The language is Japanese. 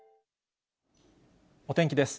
お天気です。